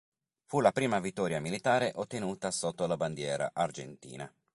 Fu la prima vittoria militare ottenuta sotto la bandiera argentina.